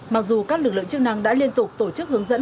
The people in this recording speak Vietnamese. mặc dù các lực lượng chức năng đã liên tục tổ chức hướng dẫn